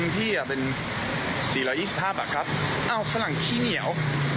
พี่อ่ะเป็น๔๒๕บาทครับอ้าวฝรั่งขี้เหนียว